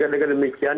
dan dengan demikian